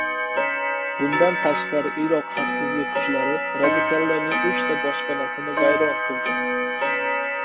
Bundan tashqari, Iroq xavfsizlik kuchlari radikallarning uchta boshpanasini vayron qilgan